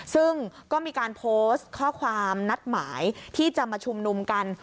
ซึ่งก็มีการโพสต์ข้อความนัดหมายที่จะมาชุมนุมกัน